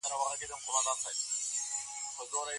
ولې ملي سوداګر ساختماني مواد له چین څخه واردوي؟